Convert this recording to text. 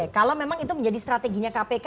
kalau memang itu menjadi strateginya kpk